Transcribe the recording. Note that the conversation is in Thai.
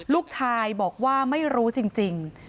ลูกชายบอกว่าไม่รู้จริง